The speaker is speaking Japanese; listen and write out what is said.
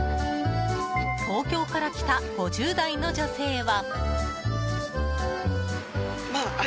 東京から来た５０代の女性は。